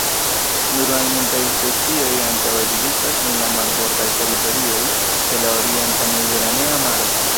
Nur malmultaj specioj ankaŭ ekzistas en la marbordaj teritorioj de la orienta Mediteranea Maro.